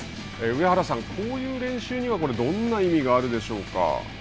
上原さん、こういう練習にはどんな意味があるでしょうか。